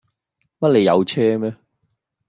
乜你有車咩